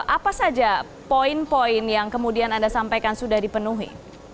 apa saja poin poin yang kemudian anda sampaikan sudah dipenuhi